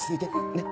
ねっ？